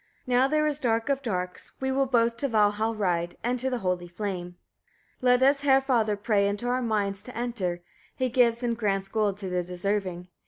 Now there is dark of darks; we will both to Valhall ride, and to the holy fane. 2. Let us Heriafather pray into our minds to enter, he gives and grants gold to the deserving.